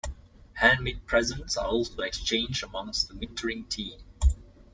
Handmade presents are also exchanged amongst the wintering team.